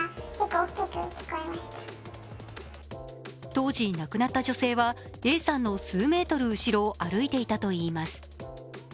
当時、亡くなった女性はＡさんの数メートル後ろを歩いていたといいます。